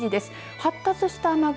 発達した雨雲